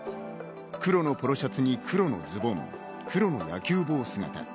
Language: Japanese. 黒のポロシャツに黒のズボン、黒の野球帽姿。